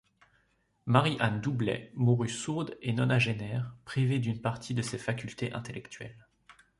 Marie Anne Doublet mourut sourde et nonagénaire, privée d’une partie de ses facultés intellectuelles.